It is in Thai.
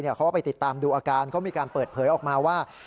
เขาก็ไปติดตามดูอาการเขามีการเปิดเผยออกมาว่า